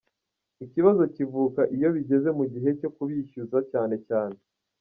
Ikibazo kivuka iyo bigeze mu gihe cyo kubishyuza cyane cyane.